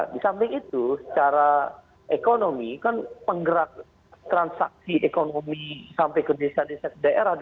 di samping itu secara ekonomi kan penggerak transaksi ekonomi sampai ke desa desa daerah